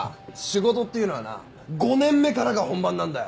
仕事っていうのはな５年目からが本番なんだよ。